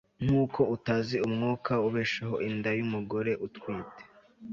nk'uko utazi umwuka ubeshaho inda y'umugore utwite